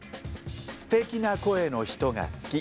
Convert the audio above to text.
「すてきな声の人が好き」。